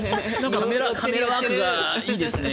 カメラワークがいいですよ。